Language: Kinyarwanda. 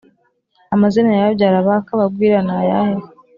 Amazina ya babyara ba kabagwira ni ayahe?